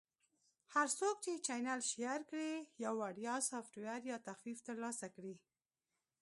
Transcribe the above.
- هر څوک چې چینل Share کړي، یو وړیا سافټویر یا تخفیف ترلاسه کړي.